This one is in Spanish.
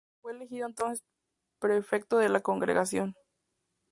Fue elegido entonces prefecto de la Congregación.